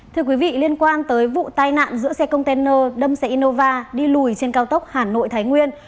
thưa quý vị liên quan tới vụ tai nạn giữa xe container đâm xe innova đi lùi trên cao tốc hà nội thái nguyên